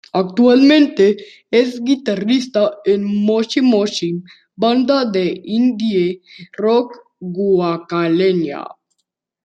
Actualmente es guitarrista en Moshi Moshi, banda de indie rock guayaquileña.